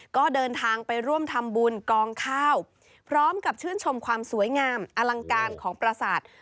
ก็เดินทางไปร่วมทำบุญกองข้าวพร้อมกับชื่นชมความสวยงามอลังการของประสาท